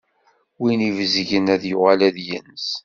Win ibezgen, ad yuɣal ad yens.